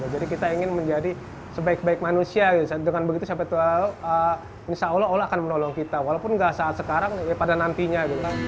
jadi kita ingin menjadi sebaik baik manusia dengan begitu insya allah allah akan menolong kita walaupun tidak saat sekarang ya pada nantinya